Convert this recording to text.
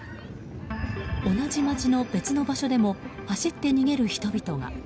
同じ街の別の場所でも走って逃げる人々が。